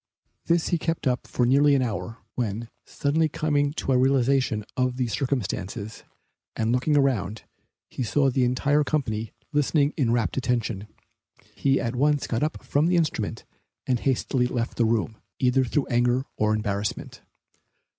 This he kept up for nearly an hour, when, suddenly coming to a realization of the circumstances, and looking around, he saw the entire company listening in rapt attention. He at once got up from the instrument and hastily left the room, either through anger or embarrassment.